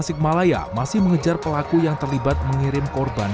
pokoknya iya cleaning service tapi dia bilang kerja resmi aman